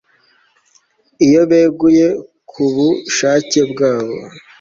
iyo beguye kubushake bwabo